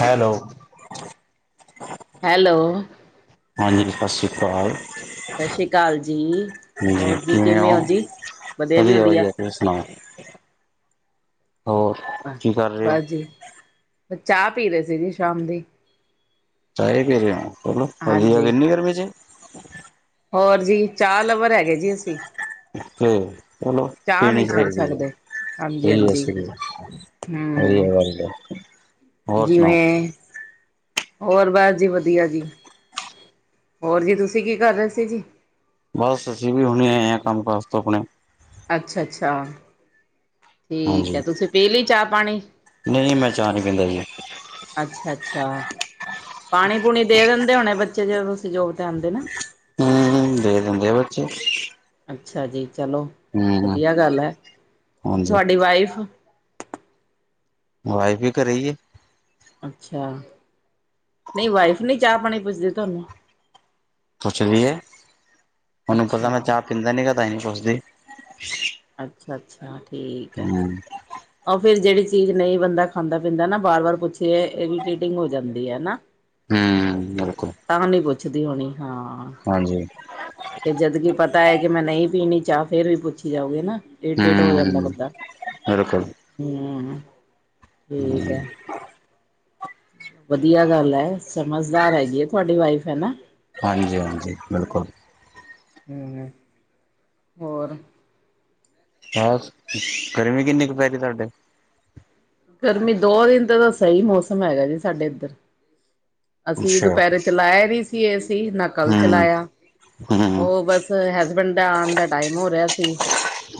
Hello hello ਹਾਂਜੀ ਸਤਿ ਸ਼੍ਰੀ ਅਕਾਲ, ਸਤਿ ਸ਼੍ਰੀ ਅਕਾਲ ਜੀ ਹਾਂਜੀ ਹੋਰ ਜੀ ਕਿਵੇਂ ਹੋ ਜੀ ਵਧੀਆ- ਵਧੀਆ ਤੁਸੀ ਸੁਣਾਓ ਹੋਰ ਕੀ ਕਰ ਰਹੇ ਹੋ ਬਸ ਜੀ, ਚਾਹ ਪੀ ਰਹੇ ਸੀ ਜੀ ਸ਼ਾਮ ਦੀ ਚਾਹੇ ਪੀ ਰਹੇ, ਚਲੋ ਵਧੀਆ ਹਾਂਜੀ ਕਿੰਨੀ ਗਰਮੀ 'ਚ ਹੋਰ ਜੀ, ਚਾਹ ਲਵਰ ਹੈਗੇ ਜੀ ਅਸੀਂ ਤੇ, ਚਲੋ ਚਾਹ ਪੀਣੀ ਨਹੀਂ ਛੱਡ ਚਾਹੀਦੀ ਆ ਸਕਦੇ ਹਾਂਜੀ ਸਹੀ ਆ ਹਾਂਜੀ ਸਹੀ, ਵਧੀਆ ਗੱਲ ਹੋਰ ਜਿਵੇ ਸੁਣਾਓ ਹੋਰ ਬਸ ਜੀ ਵਧੀਆ ਜੀ, ਹੋਰ ਜੀ ਤੁਸੀਂ ਕੀ ਕਰ ਰਹੇ ਸੀ ਜੀ ਬਸ ਅਸੀਂ ਵੀ ਹੁਣੇ ਆਏ ਹਾਂ ਕੰਮ ਕਾਜ ਤੋਂ ਆਪਣੇ ਅੱਛਾ -ਅੱਛਾ, ਠੀਕ ਹਾਂਜੀ ਹੈ, ਤੁਸੀਂ ਪੀ ਲਈ ਚਾਹ- ਪਾਣੀ ਨਹੀਂ ਮੈਂ ਚਾਹਅ ਨਹੀਂ ਪੀਂਦਾ ਜੀ ਅੱਛਾ -ਅੱਛਾ ਪਾਣੀ ਪੂਣੀ ਦੇ ਦਿੰਦੇ ਹੋਣੇ ਬੱਚੇ, ਜੋਂ ਸਹਿਯੋਗ ਤੇ ਆਉਂਦੇ ਨਾ ਹੂੰ ਦੇ ਦਿੰਦੇ ਆ ਬੱਚੇ ਅੱਛਾ ਜੀ ਚਲੋ, ਹੂੰ ਵਧੀਆ ਗੱਲ ਹੈ, ਹਾਂਜੀ ਤੁਹਾਡੀ ਵਾਈਫ ਵਾਈਫ ਵੀ ਘਰ ਈ ਐ ਅੱਛਾ, ਨਹੀਂ ਵਾਈਫ ਨਹੀਂ ਚਾਹ ਪਾਣੀ ਪੁੱਜਦੇ ਤੁਹਾਨੂੰ ਪੁੱਛਦੀ ਹੈ, ਉਹਨੂੰ ਪਤਾ ਮੈਂ ਅੱਛਾ ਚਾਹ ਪੀਂਦਾ ਨੀ, ਤਾਂ ਨਹੀਂ ਪੁੱਛਦੀ ਅੱਛਾ- ਅੱਛਾ, ਠੀਕ ਹੈ ਹੂੰ ਉਹ ਫਿਰ ਜਿਹੜੀ ਚੀਜ਼ ਨਹੀਂ ਬੰਦਾ ਖਾਂਦਾ ਪੀਂਦਾ ਨਾ, ਬਾਰ ਵਾਰ ਪੁੱਛੀਏ, ਇਰੀਟੇਟਿੰਗ ਹੋ ਜਾਂਦੀ ਹੈ ਨਾ ਹਮ, ਬਿਲਕੁਲ ਤਾਂ ਨਹੀ ਪੁੱਛਦੀ ਹੋਣੀ, ਹਾਂ ਹਾਂਜੀ ਤੇ ਜਦਕਿ ਪਤਾ ਹੈ ਕਿ ਮੈਂ ਨਹੀਂ ਪੀਣੀ ਚਾਹ, ਫੇਰ ਵੀ ਪੁੱਛੀ ਜਾਓਗੀ ਨਾ ਇਰੀਟੇਟ ਹੋ ਜਾਂਦਾ ਹਮ ਬੰਦਾ, ਬਿਲਕੁਲ ਹਮਮ, ਠੀਕ ਹੈ ਵਧੀਆ ਗੱਲ ਹੈ, ਸਮਝਦਾਰ ਹੈਗੀ ਹੈ ਤੁਹਾਡੀ ਵਾਈਫ ਹੇਨਾ ਹਾਂਜੀ- ਹਾਂਜੀ ਬਿਲਕੁਲ ਹੂੰ, ਹੋਰ ਬਸ, ਗਰਮੀ ਕਿੰਨੀ ਕੁ ਪੈ ਗਈ ਤੁਹਾਡੇ ਗਰਮੀ ਦੋ ਦਿਨ ਤਾਂ ਸਹੀ ਮੌਸਮ ਹੈਗਾ ਜੀ ਸਾਡੇ ਇੱਧਰ ਅਸੀਂ ਅੱਛਾ ਦੁਪਹਿਰੇ ਚਲਾਇਆ ਵੀ ਏਸੀ ਨਾ ਕੱਲ ਹਮ ਚਲਾਇਆ ਹਮ ਉਹ ਬਸ, ਹਸਬੈਂਡ ਦਾ ਆਉਣ ਦਾ ਟਾਈਮ ਹੋ ਰਿਹਾ ਸੀ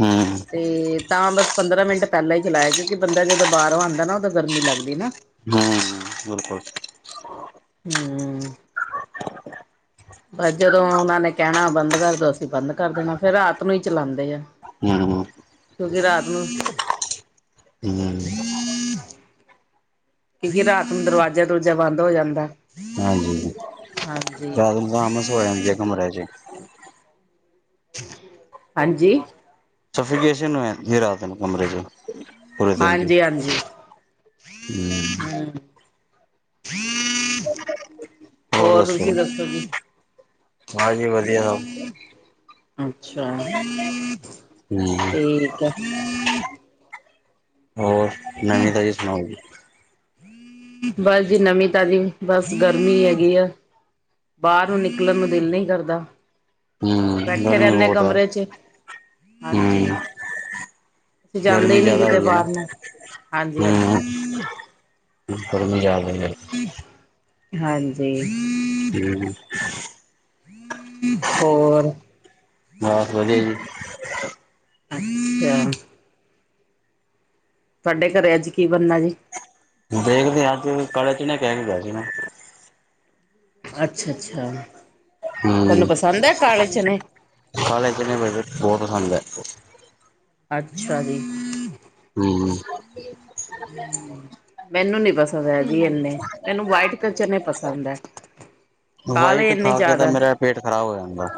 ਹਮ ਤੇ, ਤਾਂ ਬਸ ਪੰਦਰਾਂ ਮਿੰਟ ਪਹਿਲਾਂ ਹੀ ਚਲਾਇਆ, ਕਿਉਂਕਿ ਬੰਦਾ ਜਦੋਂ ਬਾਹਰੋਂ ਆਉਦਾ ਨਾ ਉਹ ਤਾਂ ਗਰਮੀ ਲੱਗਦੀ ਨਾ ਹਮ- ਹਮ ਬਿਲਕੁਲ ਹਮ ਬਸ ਜਦੋਂ ਉਹਨਾਂ ਨੇ ਕਹਿਣਾ ਬੰਦ ਕਰਦੋ, ਅਸੀਂ ਬੰਦ ਕਰ ਦੇਣਾ, ਫਿਰ ਰਾਤ ਨੂੰ ਹੀ ਚਲਾਉਂਦੇ ਆ ਹਮ-ਹਮ ਕਿਉਂਕਿ ਰਾਤ ਨੂੰ ਹਮ ਕਿ ਫਿਰ ਰਾਤ ਨੂੰ ਦਰਵਾਜ਼ਾ ਦਰਵੂਜਾ ਬੰਦ ਹੋ ਜਾਂਦਾ। ਹਾਂਜੀ ਹਾਂਜੀ। ਹੈਂਜੀ। ਹਾਂਜੀ। ਸਫੋਕੇਸ਼ਨ ਹੋ ਜਾਂਦੀ ਐ ਰਾਤ ਨੂੰ ਕਮਰੇ ਚ ਪੂਰੇ ਦਿਨ ਦੀ ਹਾਂਜੀ-ਹਾਂਜੀ। ਹਮ ਹੂੰ, ਹੋਰ ਤੁਸੀਂ ਦੱਸੋ ਜੀ। ਹਾਂਜੀ ਵਦੀਆ ਸਬ। ਅੱਛਾ ਠੀਕ ਹਮ ਐ। ਹੋਰ ਨਵੀਂ ਤਾਜ਼ੀ ਸਨਾਓ ਜੀ। ਬਸ ਜੀ ਨਵੀਂ ਤਾਜ਼ੀ ਬਸ ਗਰਮੀ ਹੈਗੀ ਆ। ਬਾਰ ਨੂੰ ਨਿਕਲਨ ਨੂੰ ਦਿਲ ਨਈ ਕਰਦਾ। ਹੂੰ, ਬੈਠੇ ਗਰਮੀ ਰਹਿੰਦੇ ਬੋਤ ਐ ਕਮਰੇ ਚ ਹਾਂਜੀ ਹੂੰ। ਅਸੀਂ ਜਾਂਦੇ ਹੀ ਗਰਮੀ ਨਹੀਂ ਜ਼ਾਦਾ ਕਿਤੇ ਹੋਈ ਐ ਨਾ ਬਾਹਰ ਨੂੰ ਹਾਂਜੀ ਹੂੰ। ਹਾਂਜੀ ਗਰਮੀ ਜਾਦਾ ਕਰਕੇ ਹਾਂਜੀ। [inaudible] ਹੋਰ ਬਸ ਵਦੀਆ ਜੀ। ਅੱਛੇਆ। ਤੁਆਡੇ ਘਰੇ ਅੱਜ ਕੀ ਬਨਨੈ ਜੀ। ਦੇਖਦੇ ਆਂ ਅੱਜ ਕਾਲੇ ਚਨੇ ਕੈ ਕੇ ਗਿਆ ਸੀ ਨਾ। ਅੱਛਾ-ਅੱਛਾ ਹੂੰ ਤਾਨੂੰ ਪਸੰਦ ਐ ਕਾਲੇ ਚਨੇ। ਕਾਲੇ ਚਨੇ ਮੈਨੂੰ ਵੀ ਬਹੁ ਪਸੰਦ ਐ। ਅੱਛਾ ਜੀ। ਹੂੰ [unintelligible] ਮੈਨੂੰ ਨੀ ਪਸੰਦ ਐ ਜੀ ਏਨੇ, ਮੈਨੂੰ ਵਾਈਟ ਤਾ ਚਨੇ ਪਸੰਦ ਐ। ਕਾਲੇ ਵਾਈਟ ਏਨੇ ਖਾ ਕੇ ਤਾਂ ਜ਼ਾਦਾ ਮੇਰਾ ਪੇਟ ਖ਼ਰਾਬ ਹੋ ਜਾਂਦੈ।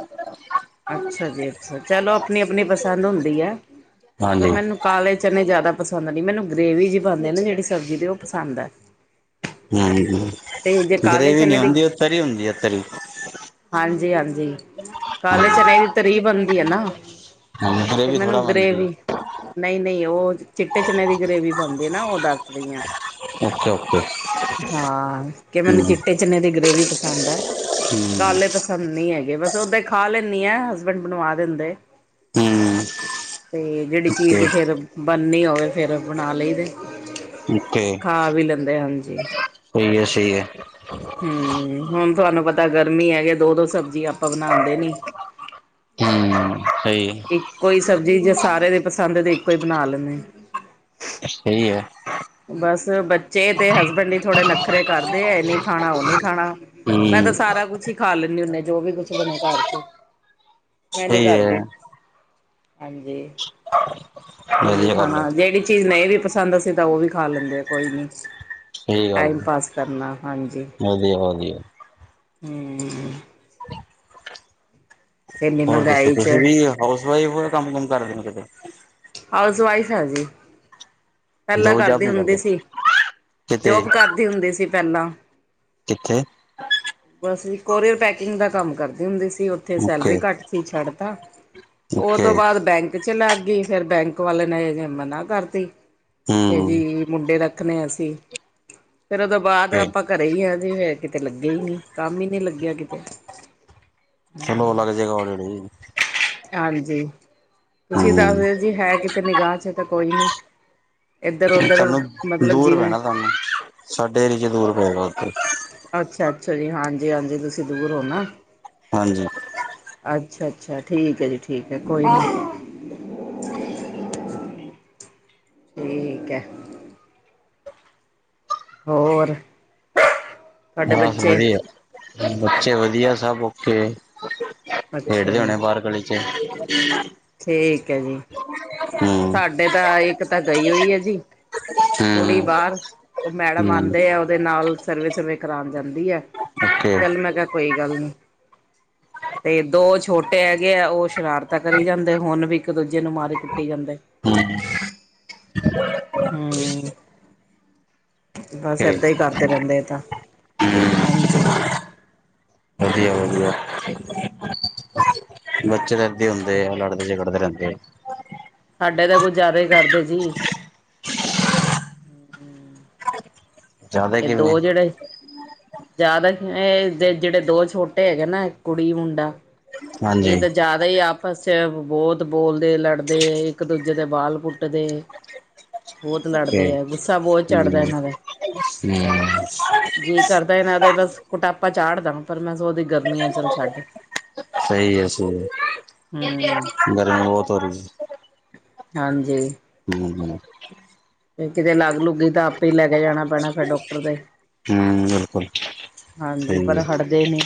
ਅੱਛਾ ਜੀ ਅੱਛਾ ਚਲੋ ਅਪਨੀ-ਅਪਨੀ ਪਸੰਦ ਹੁੰਦੀ ਐ ਪਰ ਹਾਂਜੀ ਮੈਨੂੰ ਕਾਲੇ ਚਨੇ ਜ਼ਾਦਾ ਪਸੰਦ ਨੀ, ਮੈਨੂੰ ਗ੍ਰੇਵੀ ਜੀ ਪਾਂਦੇ ਆ ਨਾ ਜੇੜੀ ਸਬਜ਼ੀ ਦੀ ਓ ਪਸੰਦ ਐ। ਹੂੰ ਜੇ ਕਾਲੇ ਗਰੇਵੀ ਨੀ ਚਨੇ ਹੁੰਦੀ ਓ ਤਰੀ ਹੁੰਦੀ ਐ ਤਰੀ। ਹਾਂਜੀ-ਹਾਂਜੀ ਕਾਲੇ ਚਨੇ ਦੀ ਤਰੀ ਬਨਦੀ ਐ ਨਾ। ਹਾਂ ਤੇ ਗਰੇਵੀ ਮੈਨੂੰ ਥੋੜਾ ਬਣਦੀ ਗਰੇਵੀ ਨਈ-ਨਈ ਓ ਚਿੱਟੇ ਚਨੇ ਦੀ ਗਰੇਵੀ ਬਨਦੀ ਨਾ ਓ ਦੱਸ ਰਈ ਆ। ਅੱਛਾ ਓਕੇ। ਕਿ ਮੈਨੂੰ ਹੂੰ ਚਿੱਟੇ ਚਨੇ ਦੀ ਗ੍ਰੇਵੀ ਪਸੰਦ ਐ, ਹੂੰ ਕਾਲੇ ਪਸੰ ਪਸੰਦ ਨੀ ਹੈਗੇ ਬਸ ਓਦਾਂ ਈ ਖਾ ਲੈਂਨੀ ਆ ਹਸਬੈਂਡ ਬਨਵਾ ਦਿੰਦੇ। ਹੂੰ ਤੇ ਜੇੜੀ ਓਕੇ ਚੀਜ਼ ਫੇਰ ਬਨਨੀ ਹੋਵੇ ਫੇਰ ਬਨਾ ਲਈਦੈ। ਖਾ ਵੀ ਲੈਂਦੇ ਹਾਂਜੀ। ਸਈ ਐ-ਸਈ ਐ। ਹੂੰ ਹੁਨ ਤਾਨੂੰ ਪਤਾ ਗਰਮੀ ਹੈਗੇ ਦੋ-ਦੋ ਸਬਜ਼ੀ ਆਪਾਂ ਬਨਾਂਦੇ ਨੀ। ਹੂੰ ਸਈ ਏ। ਇੱਕੋ ਈ ਸਬਜ਼ੀ ਜੇ ਸਾਰੇ ਦੇ ਪਸੰਦ ਦੀ ਇੱਕੋ ਈ ਬਨਾ ਲੈਂਨੇ ਆਂ। ਸਈ ਐ। ਬਸ ਬੱਚੇ ਤੇ ਹਸਬੈਂਡ ਈ ਥੋੜੇ ਨਖਰੇ ਕਰਦੇ ਐ ਨਈ ਖਾਣਾ ਉਹਨੀ ਖਾਣਾ, ਮੈਂ ਤਾਂ ਹੂੰ ਸਾਰਾ ਕੁਛ ਈ ਖਾ ਲੈਂਨੀ ਹੁੰਨੇ ਆ ਜੋ ਵੀ ਕੁਛ ਬਣੇ ਘਰ ਚ। ਮੈਂ ਨੀ ਸਹੀ ਹੈ ਕਰਦੀ। ਹਾਂਜੀ, ਇਹ ਨ੍ਹੀ ਵਧੀਆ ਗੱਲ ਹੈ ਖਾਣਾ ਜਿਹੜੀ ਚੀਜ਼ ਨਈਂ ਵੀ ਪਸੰਦ ਅਸੀਂ ਤਾਂ ਉਹ ਵੀ ਖਾ ਲੈਂਦੇ ਆ ਕੋਈ ਨੀ, ਸਹੀ ਗੱਲ ਟਾਈਮ ਹੈ, ਪਾਸ ਕਰਨਾ, ਹਾਂਜੀ। ਵਧੀਆ ਵਧੀਆ ਹਂ। ਇੰਨੀ ਹੋਰ ਦੱਸੋ, ਮਹਿੰਗਾਈ ਚ ਤੁਸੀਂ ਵੀ ਹਾਊਸ ਵਾਈਫ ਓ ਜਾਂ ਕੰਮ-ਕੁੰਮ ਕਰਦੇ ਨੇ ਕਿਤੇ। ਹਾਊਸ ਵਾਈਫ ਆਂ ਜੀ। ਪਹਿਲਾਂ ਜੋਬ ਜਾਬ ਕਰਦੀ ਨੀ ਹੁੰਦੀ ਕਰਦੇ ਸੀ, ਕਿਤੇ ਜੋਬ ਕਰਦੀ ਹੁੰਦੀ ਸੀ ਪਹਿਲਾਂ। ਕਿੱਥੇ? ਬਸ ਜੀ, ਕੋਰੀਅਰ ਪੈਕਿੰਗ ਦਾ ਕੰਮ ਕਰਦੀ ਹੁੰਦੀ ਸੀ। ਉੱਥੇ ਓਕੇ ਸੈਲਰੀ ਘੱਟ ਸੀ ਛੱਡ ਤਾ, ਉਹ ਓਕੇ ਤੋਂ ਬਾਅਦ ਬੈਂਕ ਵਿਚ ਲਗ ਗਈ, ਫੇਰ ਬੈਂਕ ਵਾਲੇ ਨੇ ਮਨਾ ਕਰਤੀ ਕੇ ਹੂੰ ਜੀ ਮੁੰਡੇ ਦਾ ਰਖਣੇ ਅਸੀਂ, ਫੇਰ ਉਹਦੋਂ ਬਾਅਦ ਆਪਾਂ ਘਰੇ ਈ ਆ ਜੇ ਫੇਰ ਕਿਤੇ ਲੱਗੇ ਈ ਨੀ। ਲੱਗਿਆ ਕਿਤੇ। ਚਲੋ ਲੱਗ ਜਏਗਾ [unintelligible] ਹਾਂਜੀ, ਤੁਸੀਂ ਹੂੰ ਦੱਸਦੇਓ ਜੀ ਹੈ ਕਿਤੇ ਨਿਗਾਹ ਚ ਤੇ ਕੋਈ ਨੀ। ਇੱਧਰ ਉਧਰ ਤੁਹਾਨੂੰ ਮਤਲਬ ਦੂਰ ਜਿਵੇਂ ਪੈਨਾ ਤੁਹਾਨੂੰ, ਸਾਡੇ ਏਰੀਏ ਚ ਦੂਰ ਪਏਗਾ ਉਥੇ। ਅੱਛਾ ਅੱਛਾ ਜੀ, ਹਾਂਜੀ ਹਾਂਜੀ ਤੁਸੀਂ ਦੂਰ ਹੋ ਨਾ। ਹਾਂਜੀ। ਅੱਛਾ ਅੱਛਾ, ਠੀਕ ਏ ਜੀ ਠੀਕ ਏ, ਕੋਈ ਨੀ। ਠੀਕ ਏ। ਹੋਰ। [unintelligible] ਬਸ ਬੱਚੇ ਵਦੀਆ, ਬੱਚੇ ਵਦਿਆ, ਸਭ ਓਕੇੇ। ਅੱਛਾ ਖੇੜਦੇ ਜੀ ਹੋਨੇ ਬਾਹਰ ਗਲੀ ਚ। ਠੀਕ ਏ ਜੀ। [inaudible] ਸਾਡੇ ਤਾਂ ਆ ਇੱਕ ਤਾਂ ਗਈ ਹੋਈ ਏ ਜੀ। ਕੁੜੀ ਹੂੰ ਬਾਹਰ ਉਹ ਮੈਡਮ ਹੂੰ ਆਉਂਦੇ ਆ ਉਹਦੇ ਨਾਲ ਸਰਵੇ ਸੁਰਵੇ ਕਰਾਣ ਜਾਂਦੀ ਏ। ਓਕੇ ਚੱਲ ਮੈਂ ਕਿਆ ਕੋਈ ਗੱਲ ਨੀ। [inaudible] ਤੇ ਦੋ ਛੋਟੇ ਹੈਗੇ ਆ ਉਹ ਸ਼ਰਾਰਤਾ ਕਰੀ ਜਾਂਦੇ ਹੁਨ ਵੀ ਇੱਕ ਦੂਜੇ ਨੂੰ ਮਾਰੀ ਕੁੱਟੀ ਜਾਂਦੇ। ਹੂੰ ਹਂ। ਬਸ ਓਕੇ ਏਦਾਂ ਈ ਕਰਦੇ ਰਹਿੰਦੇ ਏ ਤਾਂ ਹਾਂਜੀ। ਵਦੀਆ ਵਦੀਆ। ਬੱਚੇ ਏਦੇ ਏ ਠੀਕ ਹੈ ਹੁੰਦੇ ਆ, ਲੜਦੇ ਜਗੜਦੇ ਰਹਿੰਦੇ ਆ। ਸਾਡੇ ਤਾਂ ਕੁੱਝ ਜ਼ਿਆਦਾ ਈ ਕਰਦੇ ਜੀ। ਜ਼ਿਆਦਾ [unintelligible] ਏ ਕਿਵੇਂ ਦੋ ਜਿਹੜੇ ਜ਼ਿਆਦਾ ਏ ਜੇ ਜਿਹੜੇ ਦੋ ਛੋਟੇ ਹੈਗੇ ਨਾ ਕੁੜੀ ਮੁੰਡਾ। ਇਹ ਹਾਂਜੀ ਤਾਂ ਜ਼ਿਆਦਾ ਈ ਆਪਸ ਚ ਬੋਹੁਤ ਬੋਲਦੇ ਲੜਦੇ ਇੱਕ ਦੂਜੇ ਦੇ ਬਾਲ ਪੁੱਟਦੇ। [inaudible] ਬਹੁਤ ਤੇ ਲੜਦੇ ਹੈ ਗੁੱਸਾ ਬਹੁਤ ਚੜ੍ਹਦਾ ਹਂ, ਇਹਨਾਂ ਦਾ ਹਂ। ਜੀਅ ਕਰਦਾ ਇਹਨਾਂ ਦੇ ਬਸ ਕੁਟਾਪਾ ਚਾੜ ਦਾ ਪਰ ਮੈਂ ਸੋਚਦੀ ਗਰਮੀਆਂ ਚੱਲ ਛੱਡ। ਸਈ ਏ। [unintelligible] ਹਂ, ਹਾਂਜੀ। ਹੂੰ। ਤੇ ਕਿਦੇ ਲਾਗ-ਲੁੱਗ ਗਈ ਤਾਂ ਆਪੇ ਈ ਲੈ ਕੇ ਜਾਨਾ ਪੈਨਾ ਫੇਰ ਡੋਕਟਰ ਤੇ। ਹੂੰ ਬਿਲਕੁਲ ਹਾਂਜੀ ਸਈ ਪਰ ਏ। ਹਟਦੇ ਨੀ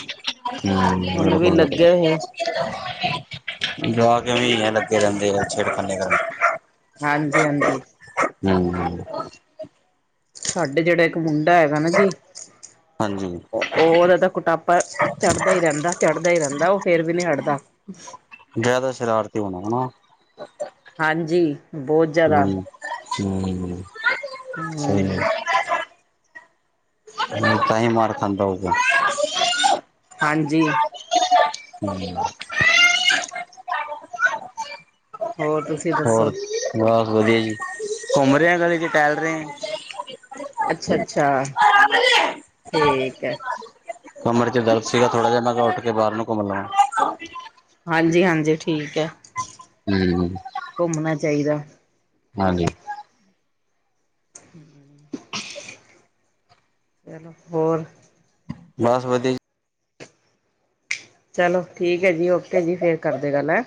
ਹੂੰ, ਹੁਣ ਵੀ ਲੱਗੇ ਹੋਏ ਬਿਲਕੁਲ-ਬਿਲਕੁਲ। ਜਵਾਕ ਇਵੇਂ ਏ ਲੱਗੇ ਰਹਿੰਦੇ ਆ ਛੇੜਖਾਨੀ ਕਰਨ। ਹਾਂਜੀ-ਹਾਂਜੀ। ਹੂੰ। ਸਾਡੇ ਜਿਹੜਾ ਇੱਕ ਮੁੰਡਾ ਹੈਗਾ ਨਾ ਜੀ ਹਾਂਜੀ। ਉ ਉਹਦਾ ਤਾਂ ਕੁਟਾਪਾ ਚੜਦਾ ਈ ਰਹਿੰਦਾ ਚੜਦਾ ਈ ਰਹਿੰਦਾ ਉਹ ਫੇਰ ਵੀ ਨਈ ਹਟਦਾ। ਜ਼ਿਆਦਾ ਸ਼ਰਾਰਤੀ ੳ ਹੋਨਾ। ਹਾਂਜੀ, ਬੋਹੁਤ। ਹੂੰ, ਹੂੰ ਹਮ ਸਈ ਏ। ਤਾਈ ਮਾਰ ਖਾਨਦਾਂ ਹੋਗਾ। ਹਾਂਜੀ। ਹੂੰ। ਹੋਰ ਤੁਸੀਂ ਹੋਰ ਦੱਸੋ ਬਸ ਵਦਿਆ ਜੀ, ਘੁੰਮ ਰੇ ਆ ਗਲੀ ਚ ਟਹਿਲ ਰੇ ਆ। ਅੱਛਾ-ਅੱਛਾ ਠੀਕ ੲ। ਕਮਰੇ ਚ ਦਰਦ ਸੀਗਾ ਥੋੜਾ ਜਾ ਮੈਂ ਉੱਠ ਕੇ ਬਾਰ ਨੂੰ ਘੁੰਮ ਲਾ। [unintelligible] ਹਾਂਜੀ, ਹਾਂਜੀ ਠੀਕ ਐ। ਹੂੰ। ਘੁੰਮਨਾ ਚਾਈਦਾ। ਹਾਂਜੀ। [inaudible] ਚਲੋ, ਹੋਰ? ਬਾਸ ਵਦੀਆ ਜੀ। ਚਲੋ, ਠੀਕੇ ਜੀ, ਓਕੇ ਜੀ, ਫੇਰ ਕਰਦੇ ਗਾਲ ਐਂ।